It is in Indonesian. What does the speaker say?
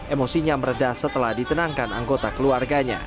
emosinya meredah setelah ditenangkan anggota keluarganya